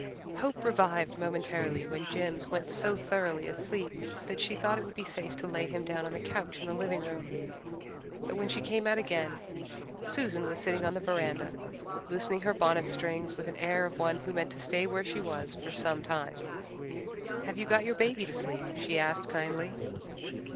Hope revived momentarily when Jims went so thoroughly asleep that she thought it would be safe to lay him down on the couch in the living room. But when she came out again Susan was sitting on the veranda, loosening her bonnet strings with the air of one who meant to stay where she was for some time. "Have you got your baby to sleep?" she asked kindly.